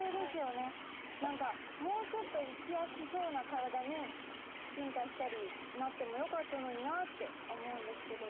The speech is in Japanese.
何かもうちょっと生きやすそうな体に進化したりなってもよかったのになって思うんですけど。